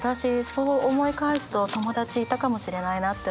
そう思い返すと友達いたかもしれないなって思いました。